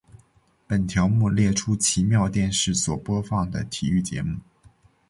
本条目列出奇妙电视所播放的体育节目。